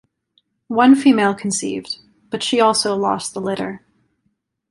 One female conceived, but she also lost the litter.